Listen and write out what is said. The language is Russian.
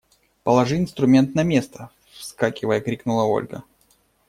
Положи инструмент на место! –вскакивая, крикнула Ольга.